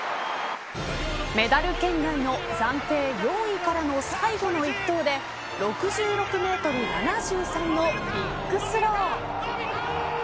メダル圏内の暫定４位からの最後の一投で６６メートル７３のビッグスロー。